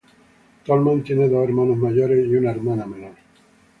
Tolman tiene dos hermanos mayores y una hermana menor.